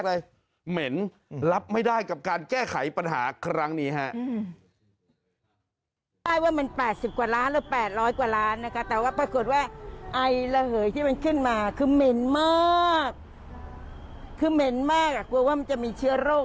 คือเหม็นมากกลัวว่ามันจะมีเชื้อโรค